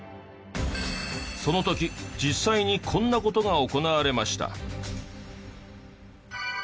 その時実際にこんな事が行われました。